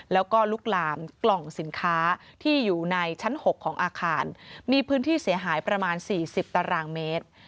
แล้วก็ลุกลามกล่องสินค้าที่อยู่ในชั้น๖ของอาคารมีพื้นที่เสียหายประมาณ๔๐ตารางเมตร